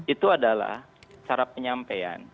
itu adalah cara penyampaian